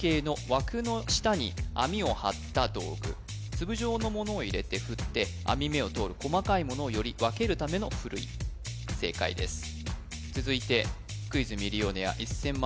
粒状のものを入れて振って編み目を通る細かいものをより分けるためのふるい正解です続いて「クイズ＄ミリオネア」１０００万